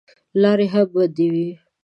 لارې هم بندې وې.